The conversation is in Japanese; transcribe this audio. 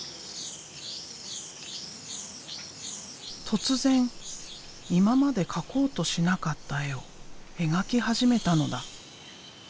突然今まで描こうとしなかった絵を描き始めたのだ。